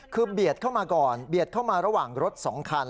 คือเบียดเข้ามาก่อนเบียดเข้ามาระหว่างรถ๒คัน